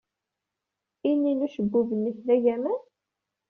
Ini n ucebbub-nnek d agaman?